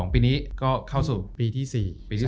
๒๐๒๑๒๐๒๒ปีนี้ก็เข้าสู่ปีที่๔